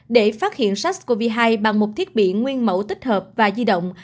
để phát hiện sars cov hai bằng một thiết bị nguyên mẫu tích hợp và di động